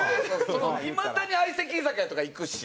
いまだに相席居酒屋とか行くし。